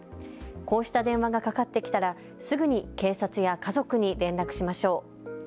こうした電話がかかってきたらすぐに警察や家族に連絡しましょう。